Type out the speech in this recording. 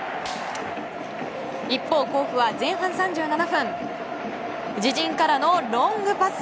一方、甲府は前半３７分自陣からのロングパス。